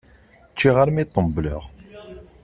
Ččiɣ armi ṭembleɣ!